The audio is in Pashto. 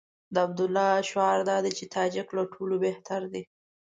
د عبدالله شعار دا دی چې تاجک له ټولو بهتر دي.